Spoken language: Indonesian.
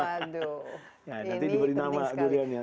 nanti diberi nama duriannya